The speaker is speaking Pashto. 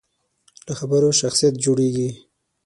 له خبرو شخصیت جوړېږي.